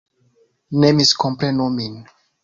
Ne miskomprenu min.